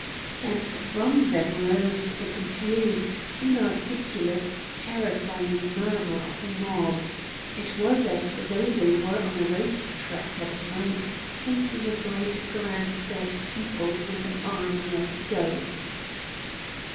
And from them rose the confused, inarticulate, terrifying murmur of a mob. It was as though they were on a race track at night facing a great grandstand peopled with an army of ghosts.